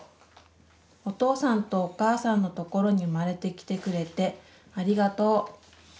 お父さんとお母さんのところに産まれてきてくれてありがとう。